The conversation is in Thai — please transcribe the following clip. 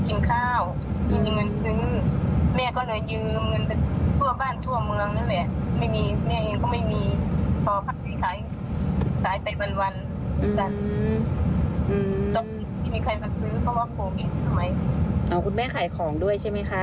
ค่ะขายผ้าไม้ชอบผ้าไม้ขาย